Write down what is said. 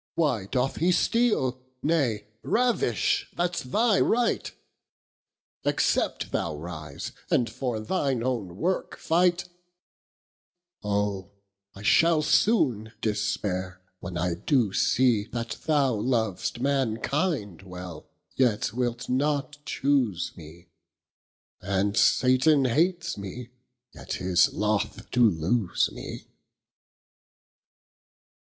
Why doth he steale, nay ravish that's thy right? Except thou rise and for thine own worke fight, Oh I shall soone despaire, when I doe see That thou lov'st mankind well, yet wilt'not chuse me, And Satan hates mee, yet is loth to lose mee.